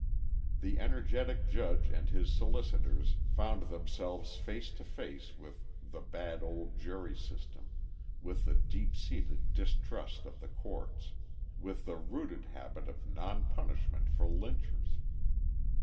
The energetic judge and his solicitors found themselves face to face with the bad old jury system, with the deep seated distrust of the courts, with the rooted habit of non punishment for lynchers.